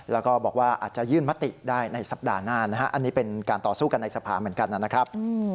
แล้วก็บอกว่าอาจจะยื่นมติได้ในสัปดาห์หน้านะฮะอันนี้เป็นการต่อสู้กันในสภาเหมือนกันนะครับ